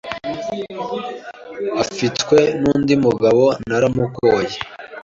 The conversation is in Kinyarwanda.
afitwe n’undi mugabo naramukoye,